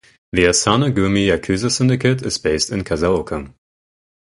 The Asano-gumi yakuza syndicate is based in Kasaoka.